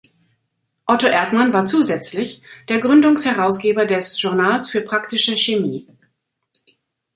Otto Erdmann war zusätzlich der Gründungsherausgeber des Journals für praktische Chemie.